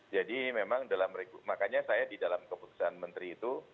jadi memang dalam makanya saya di dalam keputusan menteri itu